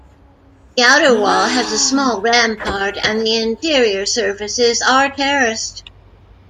The outer wall has a small rampart, and the interior surfaces are terraced.